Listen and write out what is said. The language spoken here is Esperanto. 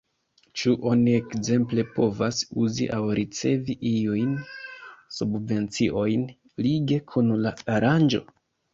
Ĉu oni ekzemple povas uzi aŭ ricevi iujn subvenciojn lige kun la aranĝo?